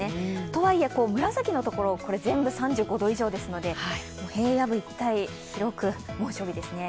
とはいえ、紫のところ、これ全部３５度以上ですので平野部一帯、広く猛暑日ですね。